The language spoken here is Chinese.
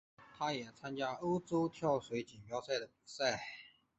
他也参加欧洲跳水锦标赛的比赛。